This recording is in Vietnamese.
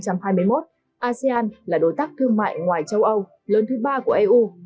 năm hai nghìn hai mươi một asean là đối tác thương mại ngoài châu âu lớn thứ ba của eu